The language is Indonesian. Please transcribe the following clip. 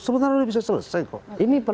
sebenarnya sudah bisa selesai kok